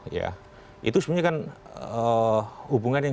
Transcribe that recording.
ya itu sebenarnya kan hubungan yang